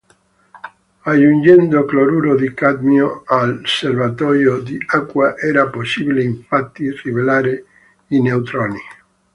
Aggiungendo cloruro di cadmio al serbatoio di acqua era possibile infatti rivelare i neutroni.